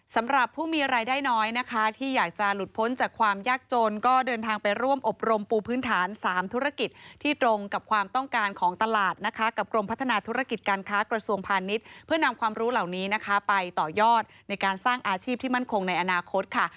สำหรับผู้มีรายได้น้อยนะคะที่อยากจะหลุดพ้นจากความยากจนก็เดินทางไปร่วมอบรมปูพื้นฐาน๓ธุรกิจที่ตรงกับความต้องการของตลาดนะคะกับกรมพัฒนาธุรกิจการค้ากระทรวงพาณิชย์เพื่อนำความรู้เหล่านี้นะคะไปต่อยอดในการสร้างอาชีพที่มั่นคงในอนาคตค่ะ